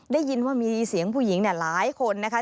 ได้ยินว่ามีเสียงผู้หญิงหลายคนนะคะ